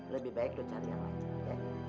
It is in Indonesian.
lebih baik lo cari yang lain